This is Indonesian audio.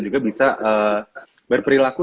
juga bisa berperilaku